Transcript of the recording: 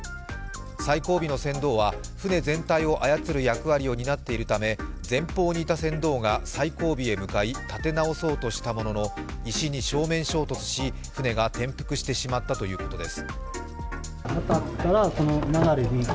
最後尾の船頭は舟全体を操る役割を担っているため前方にいた船頭が最後尾へ向かい、立て直そうとしたものの石に正面衝突し舟が転覆してしまったということです。